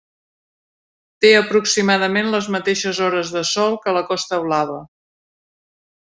Té aproximadament les mateixes hores de sol que la Costa Blava.